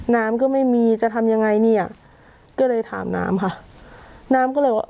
น้ำก็ไม่มีจะทำยังไงนี่อ่ะก็เลยถามน้ำค่ะน้ำก็เลยว่า